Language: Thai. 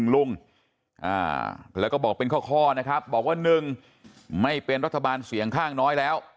ลุงแล้วก็บอกเป็นข้อนะครับบอกว่า๑ไม่เป็นรัฐบาลเสียงข้างน้อยแล้ว